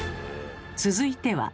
続いては。